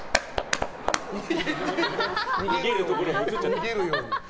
逃げるように。